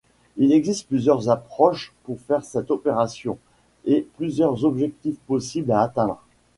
Il existe plusieurs approches pour faire cette opération, et plusieurs objectifs possibles à atteindre.